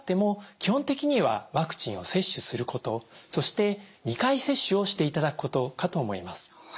基本的にはワクチンを接種することそして２回接種をしていただくことかと思います。